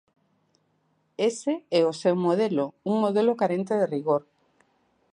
Ese é o seu modelo, un modelo carente de rigor.